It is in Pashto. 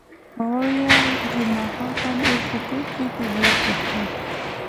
ما وویل، جمعه خان باید اوس په کور کې په عبادت بوخت وای.